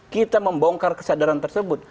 kita membongkar kesadaran tersebut